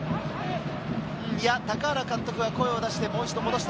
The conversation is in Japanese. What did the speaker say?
高原監督は声を出して、もう一度戻した。